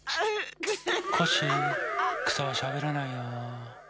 コッシーくさはしゃべらないよ。